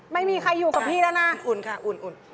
ไม่มีใครอยู่กับพี่แล้วนะอุ่นค่ะอุ่นอุ่น